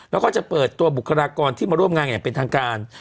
แล้วก็จะเปิดตัวบุคลากรที่มาร่วมงานอย่างเป็นทางการ